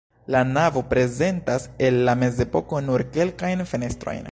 La navo prezentas el la mezepoko nur kelkajn fenestrojn.